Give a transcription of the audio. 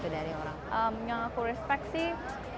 yang aku respect sih